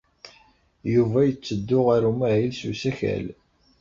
Yuba yetteddu ɣer umahil s usakal.